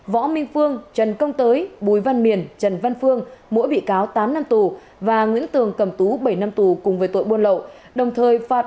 võ minh phương trần công tới bùi văn miền trần văn phương mỗi bị cáo tám năm tù và nguyễn tương cầm tú bảy năm tù cùng với tội buôn lậu